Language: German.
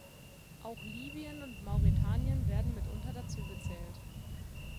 Auch Libyen und Mauretanien werden mitunter dazugezählt.